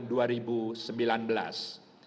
itulah hasil sidang isbat kita kali ini